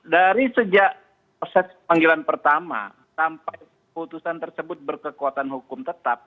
dari sejak proses panggilan pertama sampai putusan tersebut berkekuatan hukum tetap